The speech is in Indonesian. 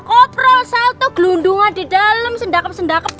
koprol salto gelundungan di dalam